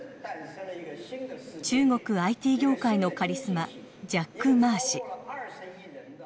中国ＩＴ業界のカリスマジャック・マー氏。